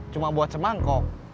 cuma buat semangkok